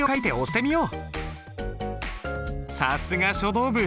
さすが書道部。